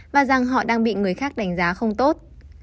và rằng họ đang bị người khác đánh giá không tốt